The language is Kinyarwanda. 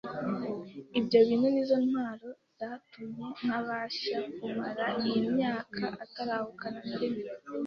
Ibyo bintu nizo ntwaro zatumye mbasha kumara iyi myaka atarahukana na rimwe.